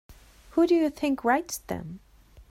Who do you think writes them?